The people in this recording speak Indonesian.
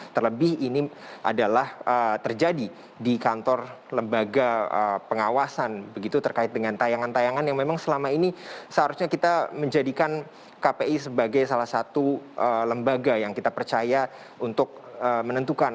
terlebih ini adalah terjadi di kantor lembaga pengawasan begitu terkait dengan tayangan tayangan yang memang selama ini seharusnya kita menjadikan kpi sebagai salah satu lembaga yang kita percaya untuk menentukan